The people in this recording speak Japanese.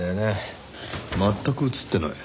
全く映ってない？